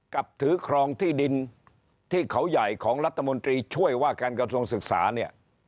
ถือครองที่ดินที่เขาใหญ่ของรัฐมนตรีช่วยว่าการกระทรวงศึกษาเนี่ย